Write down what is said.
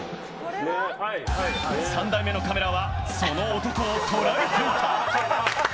３台目のカメラは、その男を捉えていた。